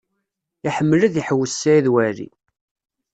Iḥemmel ad iḥewwes Saɛid Waɛli.